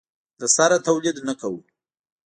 له سره تولید نه کوو.